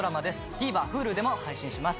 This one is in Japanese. ＴＶｅｒＨｕｌｕでも配信します。